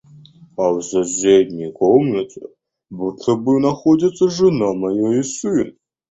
А в соседней комнате, будто бы находятся жена моя и сын.